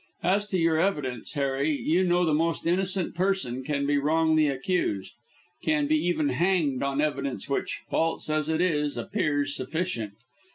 As to your evidence, Harry, you know the most innocent person can be wrongly accused, can be even hanged on evidence which, false as it is, appears sufficient.